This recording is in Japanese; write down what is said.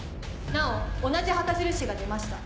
なお同じ旗印が出ました。